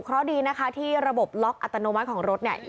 เพราะดีนะคะที่ระบบล็อกอัตโนมัติของรถเนี่ย